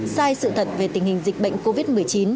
sai sự thật về tình hình dịch bệnh covid một mươi chín